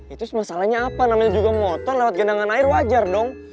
itu masalahnya apa namanya juga motor lewat gendangan air wajar dong